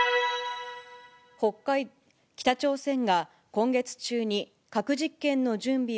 北朝鮮が今月中に、核実験の準備